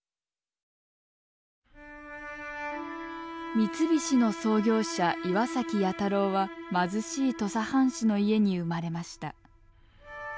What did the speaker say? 三菱の創業者岩崎弥太郎は貧しい土佐藩士の家に生まれました。